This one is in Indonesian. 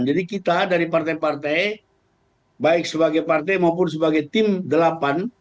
jadi kita dari partai partai baik sebagai partai maupun sebagai tim delapan